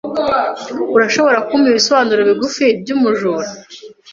Urashobora kumpa ibisobanuro bigufi byumujura?